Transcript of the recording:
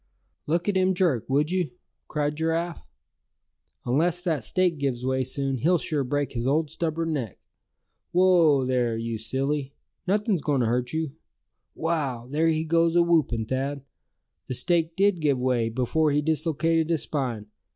"Look at him jerk, would you?" cried Giraffe. "Unless that stake gives way soon, he'll sure break his old stubborn neck. Whoa! there, you silly; nothing's going to hurt you. Wow! there he goes awhoopin', Thad! The stake did give way, before he dislocated his spine.